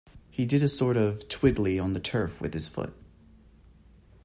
He did a sort of twiddly on the turf with his foot.